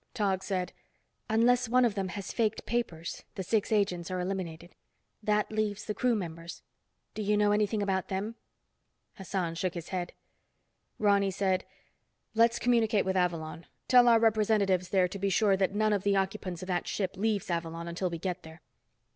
Tog said, "Unless one of them has faked papers, the six agents are eliminated. That leaves the crew members. Do you know anything about them?" Hassan shook his head. Ronny said, "Let's communicate with Avalon. Tell our representatives there to be sure that none of the occupants of that ship leaves Avalon until we get there."